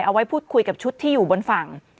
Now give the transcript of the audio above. เอาไว้พูดคุยกับชุดที่อยู่บนฝั่ง